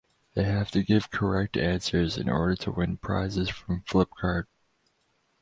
They have to give correct answers in order to win prizes from Flipkart.